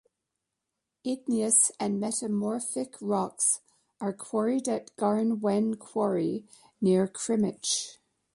Igneous and metamorphic rocks are quarried at Garn Wen quarry near Crymych.